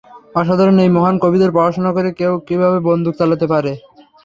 অসাধারণ এই মহান কবিদের পড়াশুনা করে কেউ কীভাবে বন্দুক চালাতে পারে?